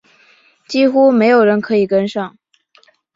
几乎没有人可以跟上